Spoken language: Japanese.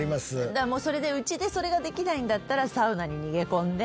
だからもうそれでうちでそれができないんだったらサウナに逃げ込んで。